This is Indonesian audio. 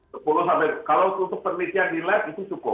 sepuluh sampai lima belas miliar kalau untuk penelitian di lab itu cukup